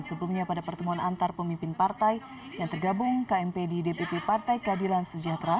sebelumnya pada pertemuan antar pemimpin partai yang tergabung kmp di dpp partai keadilan sejahtera